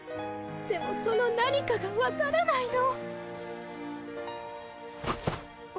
でもその何かが分からないの。